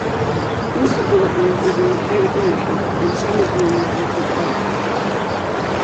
Most of the wetland is in private ownership and some is vulnerable to development.